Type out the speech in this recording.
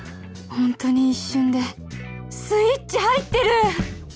ホントに一瞬でスイッチ入ってる！